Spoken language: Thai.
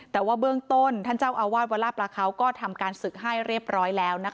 แต่ว่าเบื้องต้นท่านเจ้าอาวาสวลาปลาเขาก็ทำการศึกให้เรียบร้อยแล้วนะคะ